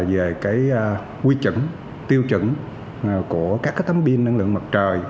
về quy chuẩn tiêu chuẩn của các tấm pin năng lượng mặt trời